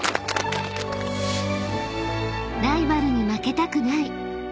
［ライバルに負けたくない。